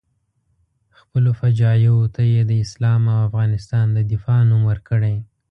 خپلو فجایعو ته یې د اسلام او افغانستان د دفاع نوم ورکړی.